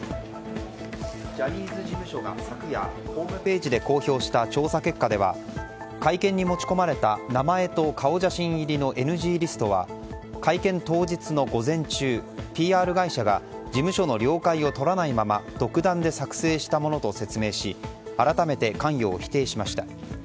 ジャニーズ事務所が昨夜ホームページで公表した調査結果では会見に持ち込まれた名前と顔写真入りのＮＧリストは会見当日の午前中ＰＲ会社が事務所の了解を取らないまま独断で作成したものと説明し改めて関与を否定しました。